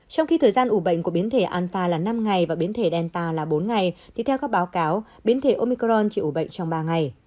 trong khi thời gian ủ bệnh của biến thể alpha là năm ngày và biến thể delta là bốn ngày thì theo các báo cáo biến thể omicron chỉ ủ bệnh trong ba ngày